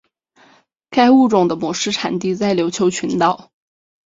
该物种的模式产地在琉球群岛。